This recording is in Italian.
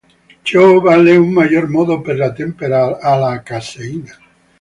Ciò vale in maggior modo per la tempera alla caseina.